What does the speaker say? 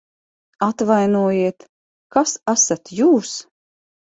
Atvainojiet, kas esat jūs?